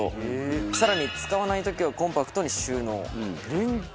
更に使わない時はコンパクトに収納。